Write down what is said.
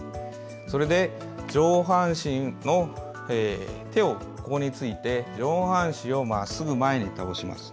それで、手をここについて上半身をまっすぐ前に倒します。